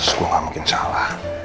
suku gak mungkin salah